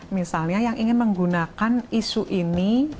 misalnya yang ingin menggunakan isu ini